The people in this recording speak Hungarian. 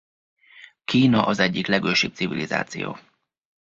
Kína az egyik legősibb civilizáció.